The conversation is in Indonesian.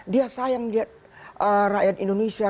dia sayang lihat rakyat indonesia